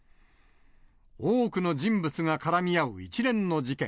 多くの人物が絡み合う一連の事件。